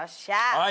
はい。